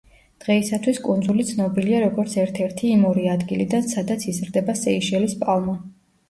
დღეისათვის კუნძული ცნობილია, როგორც ერთ-ერთი იმ ორი ადგილიდან, სადაც იზრდება სეიშელის პალმა.